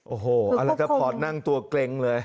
โอ้โหอะไรจะพอร์ตนั่งตัวเกร็งเลย